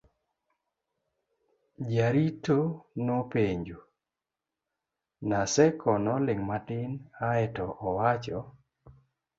jarito nopenjo .Naseko noling' matin ae to owacho